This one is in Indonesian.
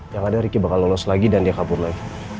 jangan ada ricky akan lulus lagi dan dia kabur lagi